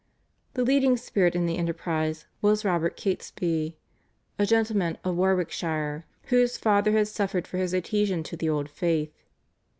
The leading spirit in the enterprise was Robert Catesby, a gentleman of Warwickshire, whose father had suffered for his adhesion to the old faith.